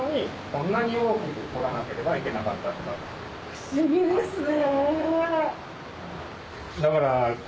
不思議ですね！